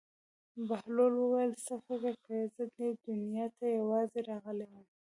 بهلول وویل: څه فکر کوې زه دې دنیا ته یوازې راغلی یم.